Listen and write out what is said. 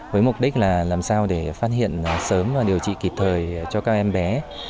với mục đích là làm sao để phát hiện sớm và điều trị kịp thời cho các em bé